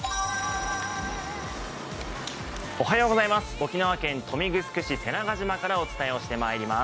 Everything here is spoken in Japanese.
沖縄県豊見城市瀬長島からお伝えしてまいります。